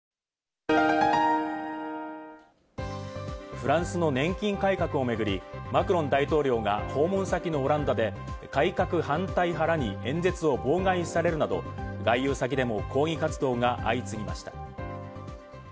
フランスの年金改革をめぐり、マクロン大統領が訪問先のオランダで改革反対派らに演説を妨害されるなど外遊先でも抗議活動が相次ぎました。